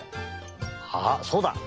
あっそうだ。